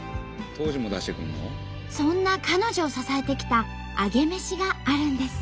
そんな彼女を支えてきたアゲメシがあるんです。